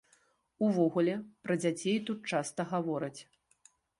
Увогуле, пра дзяцей тут часта гавораць.